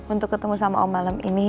untuk ketemu sama om malam ini